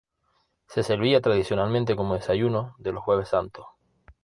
Se servía tradicionalmente como desayuno, de los jueves santos.